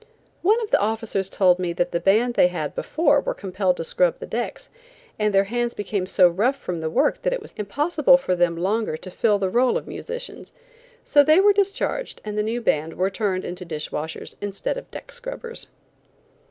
One of the officers told me that the band they had before were compelled to scrub the decks, and their hands became so rough from the work that it was impossible for them longer to fill the role of musicians, so they were discharged and the new band were turned into dish washers instead of deck scrubbers.